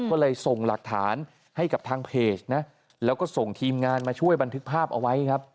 ก็เลยส่งหลักฐานให้กับทางเพจนะแล้วก็ส่งทีมงานมาช่วยบันทึกภาพเอาไว้ครับ